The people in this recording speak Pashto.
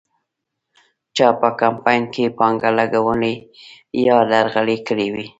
چا په کمپاین کې پانګه لګولې یا درغلۍ کړې وې.